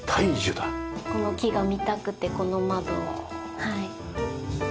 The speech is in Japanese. この木が見たくてこの窓をはい。